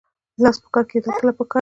لاس په کار کیدل کله پکار دي؟